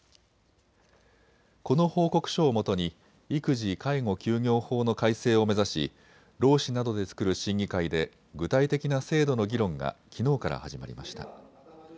この報告書をもとに育児・介護休業法の改正を目指し労使などで作る審議会で具体的な制度の議論がきのうから始まりました。